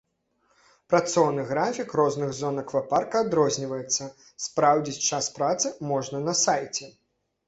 Працоўны графік розных зон аквапарка адрозніваецца, спраўдзіць час працы можна на сайце.